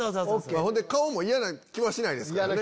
ほんで顔も嫌な気はしないですからね。